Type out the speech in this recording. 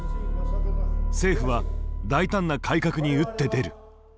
政府は大胆な改革に打って出る。